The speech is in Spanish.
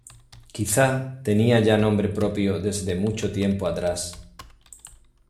Quizá tenía ya nombre propio desde mucho tiempo atrás.